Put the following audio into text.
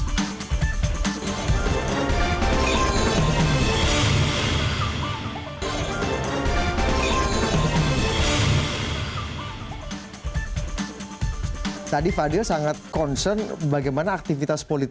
cara mengora amerika yang menanasikan ekonomi korabsial menjadi penerbangan yang mooos